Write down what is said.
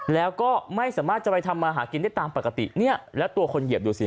แล้วก็ไม่สามารถจะไปทำมาหากินได้ตามปกติเนี่ยแล้วตัวคนเหยียบดูสิ